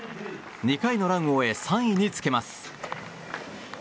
２回のランを終え３位につけます。